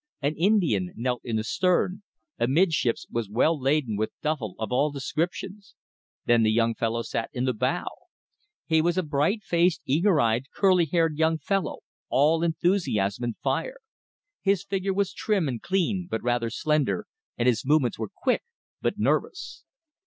An Indian knelt in the stern; amidships was well laden with duffle of all descriptions; then the young fellow sat in the bow. He was a bright faced, eager eyed, curly haired young fellow, all enthusiasm and fire. His figure was trim and clean, but rather slender; and his movements were quick but nervous.